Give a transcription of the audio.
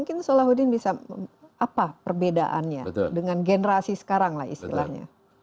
kita sudah punya delapan pilihan